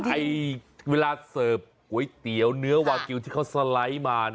เวลาเสิร์ฟก๋วยเตี๋ยวเนื้อวากิลที่เขาสไลด์มา